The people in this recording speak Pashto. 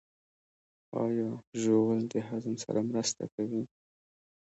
ایا ژوول د هضم سره مرسته کوي؟